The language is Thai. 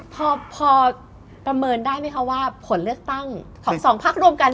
พอประเมินได้ไหมคะว่าผลเลือกตั้งของสองพักรวมกัน